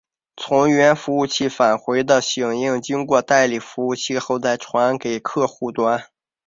从源服务器返回的响应经过代理服务器后再传给客户端。